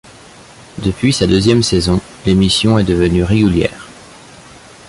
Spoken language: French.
Depuis sa deuxième saison, l'émission est devenue régulière.